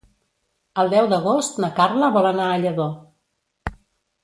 El deu d'agost na Carla vol anar a Lladó.